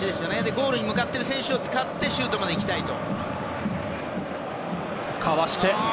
ゴールに向かっている選手を使ってシュートまでいきたいと。